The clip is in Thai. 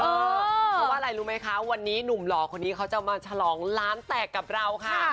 เพราะว่าอะไรรู้ไหมคะวันนี้หนุ่มหล่อคนนี้เขาจะมาฉลองล้านแตกกับเราค่ะ